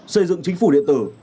xây dựng chính phủ điện tử